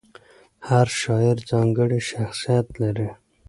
هر شاعر ځانګړی شخصیت لري.